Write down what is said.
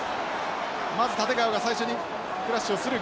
まず立川が最初にクラッシュをする。